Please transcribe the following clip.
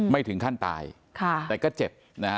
ไม่ถึงขั้นตายแต่ก็เจ็บนะฮะ